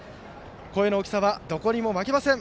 声の大きさはどこにも負けません。